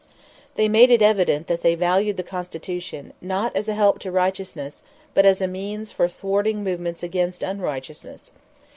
They made it evident that they valued the Constitution, not as a help to righteousness, but as a means for thwarting movements against unrighteousness.